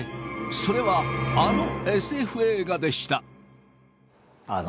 それはあのＳＦ映画でした。